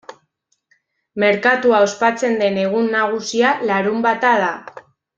Merkatua ospatzen den egun nagusia larunbata da.